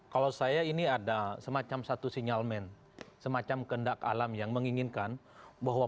kalau saya ini ada semacam satu sinyalmen semacam kendak alam yang menginginkan bahwa